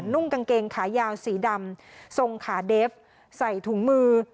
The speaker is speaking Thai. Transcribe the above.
่งกางเกงขายาวสีดำทรงขาเดฟใส่ถุงมือ